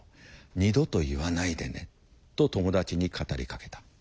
二度と言わないでね」と友達に語りかけた。